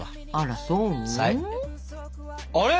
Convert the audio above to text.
あれ？